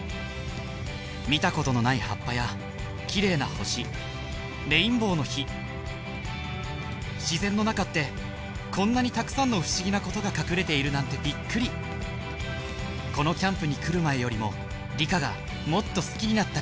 見たことのない葉っぱや綺麗な星レインボーの火自然の中ってこんなにたくさんの不思議なことが隠れているなんてびっくりこのキャンプに来る前よりも理科がもっと好きになった気がします